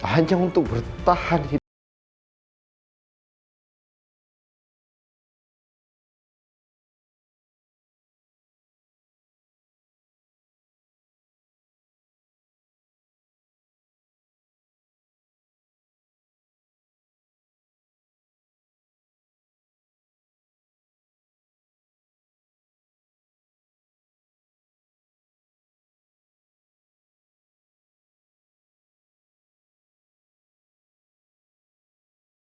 hanya untuk bertahan hidup